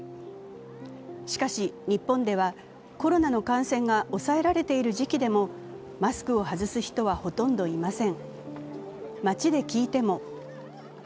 しかし、日本ではコロナの感染が抑えられている時期でもマスクを外す人はほとんどいません。